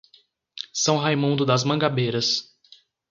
São Raimundo das Mangabeiras